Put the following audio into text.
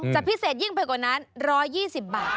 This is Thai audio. จะพิเศษยิ่งไปกว่านั้น๑๒๐บาท